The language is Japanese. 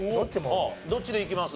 どっちでいきます？